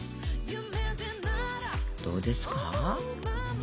どうですか？